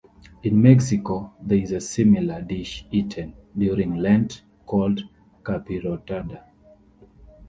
In Mexico, there is a similar dish eaten during Lent called capirotada.